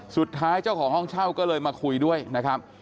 เจ้าของห้องเช่าก็เลยมาคุยด้วยนะครับ